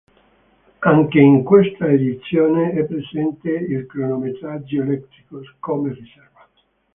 Anche in questa edizione è presente il cronometraggio elettrico, come riserva.